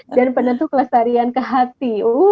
dan penentu kelestarian ke hati